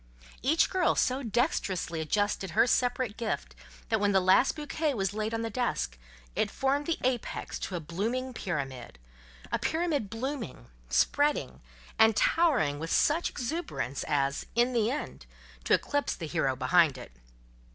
Each girl so dexterously adjusted her separate gift, that when the last bouquet was laid on the desk, it formed the apex to a blooming pyramid—a pyramid blooming, spreading, and towering with such exuberance as, in the end, to eclipse the hero behind it.